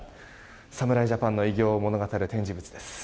侍ジャパンの偉業を物語る展示物です。